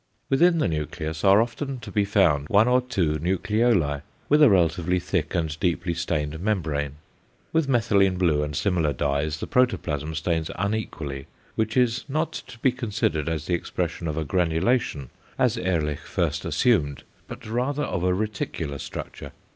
Within the nucleus are often to be found one or two nucleoli with a relatively thick and deeply stained membrane. With methylene blue and similar dyes the protoplasm stains unequally, which is not to be considered as the expression of a granulation, as Ehrlich first assumed, but rather of a reticular structure.